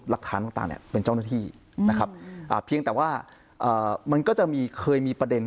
หลักฐานต่างเนี่ยเป็นเจ้าหน้าที่นะครับเพียงแต่ว่ามันก็จะมีเคยมีประเด็น